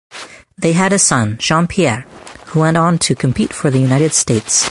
They had a son, Jean-Pierre, who went on to compete for the United States.